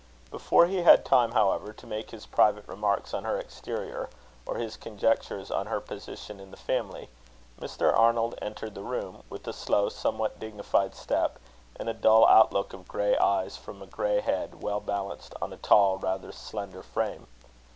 Before he had time, however, to make his private remarks on her exterior, or his conjectures on her position in the family, Mr. Arnold entered the room, with a slow, somewhat dignified step, and a dull outlook of grey eyes from a grey head well balanced on a tall, rather slender frame.